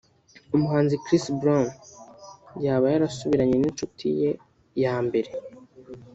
umuhanzi Chris Brown yaba yarasubiranye n’inshuti ye ya mbere